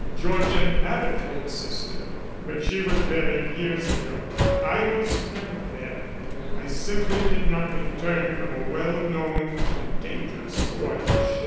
Georgian had a twin sister, but she was buried years ago. I was never buried. I simply did not return from a well known and dangerous voyage.